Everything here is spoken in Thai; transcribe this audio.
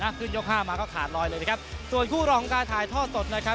ขึ้นยกห้ามาก็ขาดลอยเลยนะครับส่วนคู่รองของการถ่ายทอดสดนะครับ